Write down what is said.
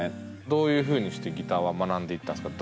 どういうふうにしてギターは学んでいったんですか？